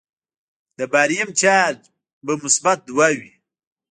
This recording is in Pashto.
د باریم چارج به مثبت دوه وي.